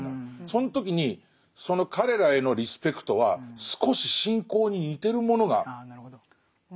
その時にその彼らへのリスペクトは少し信仰に似てるものがあると思う。